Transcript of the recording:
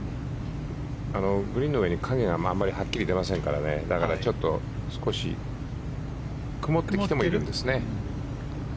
グリーンの上に影がはっきり出ませんからだから少し曇ってきてもいるんですね。